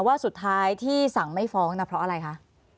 ว่าสุดท้ายที่สั่งไม่ฟ้องนะเพราะอะไรคะ